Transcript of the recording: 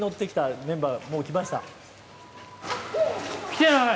来てない！